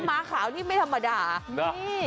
แล้วม้าขาวนี่ไม่ธรรมดา